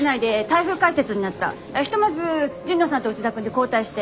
ひとまず神野さんと内田君で交代して。